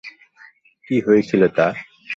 কী হয়েছিল তার?